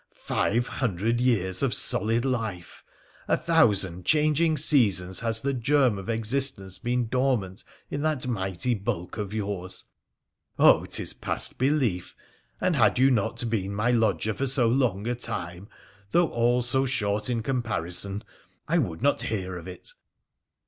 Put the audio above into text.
Five hundred years of solid life !— a thousand changing seasons has the germ of existence been dormant in that mighty bulk of yours ! Oh ! 'tis past belief, and had you not been my lodger for so long a time, though all so short in comparison, I would not hear of it.'